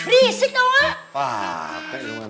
risik tau gak